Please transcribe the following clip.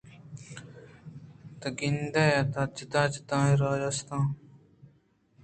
دگنیا ءِ تہ ءَ جتا جتائیں راج ھست اَن